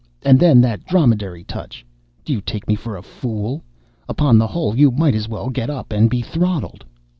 And then that dromedary touch—do you take me for a fool? Upon the whole, you might as well get up and be throttled."